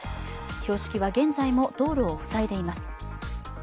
標識は現在も道路を塞いでいます。